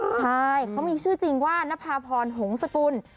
ใช่เขามีชื่อจริงว่านภาพรหงษกุล